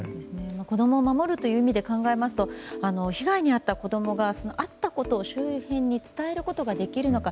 子供を守るという意味で考えますと被害に遭った子供が遭ったことを周辺に伝えることができるのか。